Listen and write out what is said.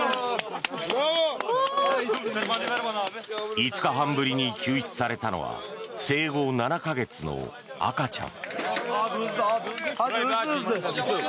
５日半ぶりに救出されたのは生後７か月の赤ちゃん。